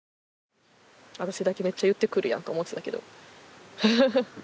私だけめっちゃ言ってくるやんと思ってたけどフフフッ。